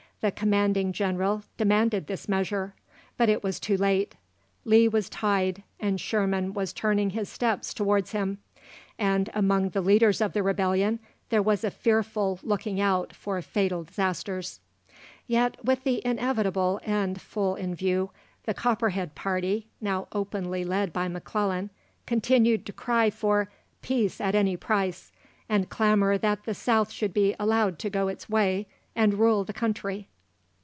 The commanding General demanded this measure; but it was too late. Lee was tied, and Sherman was turning his steps towards him, and, among the leaders of the rebellion, there was a fearful looking out for fatal disasters." Yet, with the inevitable end full in view, the Copperhead party, now openly led by M'Clellan, continued to cry for "peace at any price," and clamour that the South should be allowed to go its way, and rule the country.